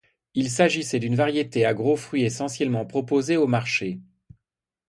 Il s'agissait d'une variété à gros fruit essentiellement proposée au marché.